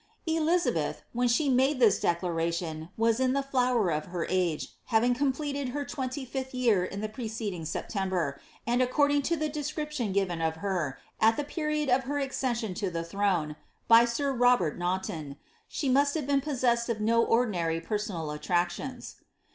Elizabeth, when she made this declaration, was in the flower of her age, having completed her twenty fifth year in the preceding September, and according to the description given of her, at the period of her ac cession to the throne, by sir Robert Naunton, she must have been pos sefised of no ordinary personal attractions.